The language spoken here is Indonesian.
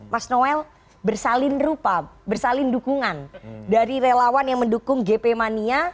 mas noel bersalin rupa bersalin dukungan dari relawan yang mendukung gp mania